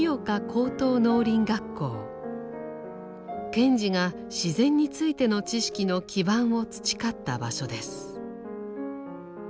賢治が自然についての知識の基盤を培った場所です。